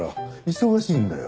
忙しいんだよ。